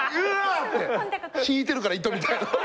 って引いてるから糸みたいなのが。